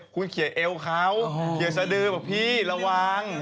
คุณเขียนเอวเขาเขียนสดือบอกพี่ระวัง